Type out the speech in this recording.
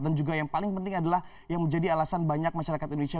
dan juga yang paling penting adalah yang menjadi alasan banyak masyarakat indonesia